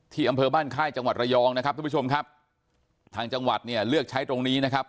อำเภอบ้านค่ายจังหวัดระยองนะครับทุกผู้ชมครับทางจังหวัดเนี่ยเลือกใช้ตรงนี้นะครับ